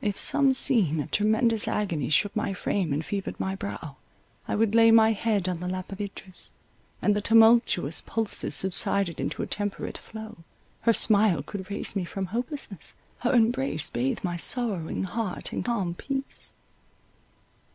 If some scene of tremendous agony shook my frame and fevered my brow, I would lay my head on the lap of Idris, and the tumultuous pulses subsided into a temperate flow —her smile could raise me from hopelessness, her embrace bathe my sorrowing heart in calm peace.